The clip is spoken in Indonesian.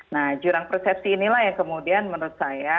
nah jurang persepsi inilah yang kemudian menurut saya